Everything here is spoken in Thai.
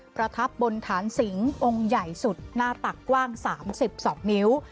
ประทับบนฐานสิงองค์ใหญ่สุดหน้าตักกว้าง๓๒นิ้ว